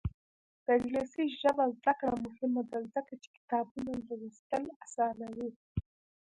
د انګلیسي ژبې زده کړه مهمه ده ځکه چې کتابونه لوستل اسانوي.